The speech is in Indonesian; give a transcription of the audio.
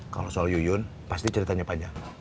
kalau soal yuyun pasti ceritanya panjang